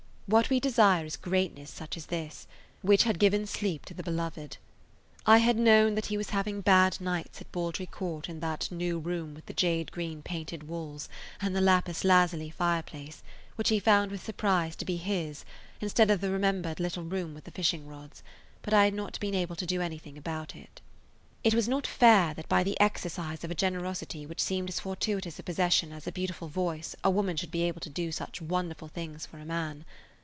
What we desire is greatness such as this, which had given sleep to the beloved. I had known that he was having bad nights at Baldry Court in that new room with the jade green painted walls and the lapis lazuli fireplace, which he found with surprise to be his instead of the remembered little room with the fishing rods; but I had not been able to do anything about it. It was not fair that by the exercise of a generosity which seemed as fortuitous a possession as a beautiful voice a woman should be able to do such wonderful things for a man.